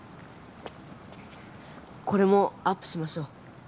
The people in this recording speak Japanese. これもアップしましょう。